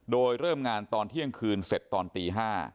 โดยเริ่มงานตอนเที่ยงคืนเสร็จตอนตี๕